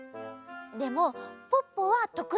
でもポッポはとくいだったり。